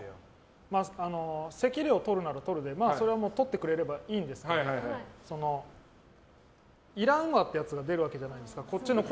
席料をとるならとるでそれはとってくれればいいんですけどもいらんわってやつが出るわけじゃないですか。